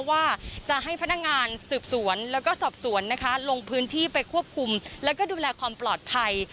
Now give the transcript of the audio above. ว่าจะให้พนักงานสืบสวนแล้วก็สอบสวนนะคะลงพื้นที่ไปควบคุมแล้วก็ดูแลความปลอดภัย